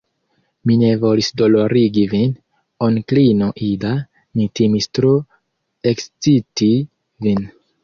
Mi ne volis dolorigi vin, onklino Ida; mi timis tro eksciti vin.